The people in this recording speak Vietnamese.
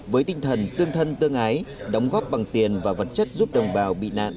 với tinh thần tương thân tương ái đóng góp bằng tiền và vật chất giúp đồng bào bị nạn